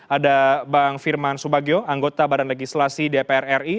ada bang firman subagio anggota badan legislasi dpr ri